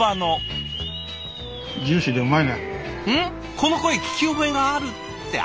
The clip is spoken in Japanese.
この声聞き覚えがあるって阿部さん！